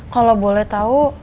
kalau boleh tau